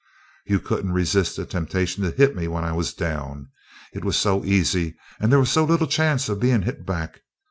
"You couldn't resist the temptation to hit me when I was down. It was so easy, and there was so little chance of being hit back.